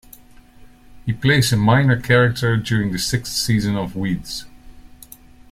He plays a minor character during the sixth season of "Weeds".